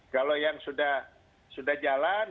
kalau yang sudah jalan